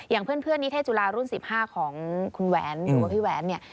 อย่างคุณแหวนหรือพี่แหวนเนี่ย